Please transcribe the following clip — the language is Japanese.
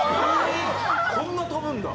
こんな飛ぶんだ。